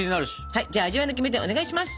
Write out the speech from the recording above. はいじゃあ味わいのキメテお願いします。